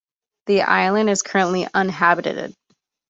The island is currently uninhabited.